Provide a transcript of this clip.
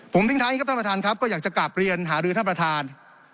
ผมทิ้งท้ายครับท่านประธานครับก็อยากจะกลับเรียนหารือท่านประธาน